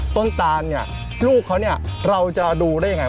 ต้นตาดนี่ลูกเขาเราจะดูได้อย่างไร